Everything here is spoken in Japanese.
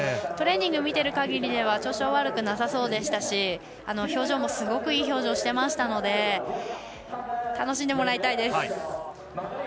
トレーニングを見ている限り調子は悪くなさそうでしたしすごくいい表情してましたので楽しんでもらいたいです！